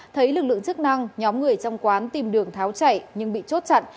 thấy lực lượng chức năng nhóm người trong quán tìm đường tháo chạy nhưng bị chốt chặn